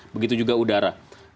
begitu juga udara